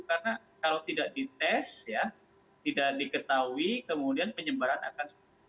karena kalau tidak dites tidak diketahui kemudian penyebaran akan